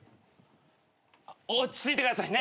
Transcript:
落ち着いてください。